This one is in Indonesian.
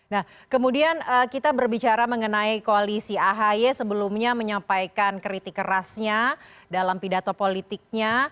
nah kemudian kita berbicara mengenai koalisi ahy sebelumnya menyampaikan kritik kerasnya dalam pidato politiknya